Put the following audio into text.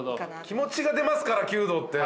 気持ちが出ますから弓道って。